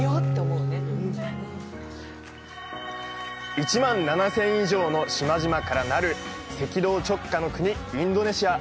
１万７０００以上の島々からなる赤道直下の国、インドネシア。